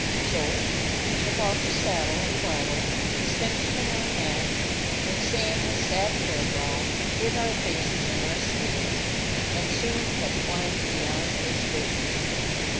So we took off his saddle and bridle, cinched them on Mac, and, saying a sad farewell, hid our faces in our sleeves, and soon had climbed beyond his vision.